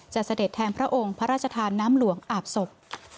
เสด็จแทนพระองค์พระราชทานน้ำหลวงอาบศพ